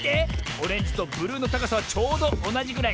オレンジとブルーのたかさはちょうどおなじぐらい。